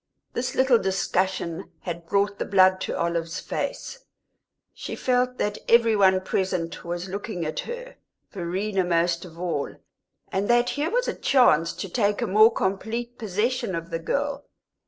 This little discussion had brought the blood to Olive's face; she felt that every one present was looking at her Verena most of all and that here was a chance to take a more complete possession of the girl.